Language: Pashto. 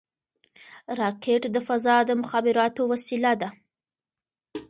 راکټ د فضا د مخابراتو وسیله ده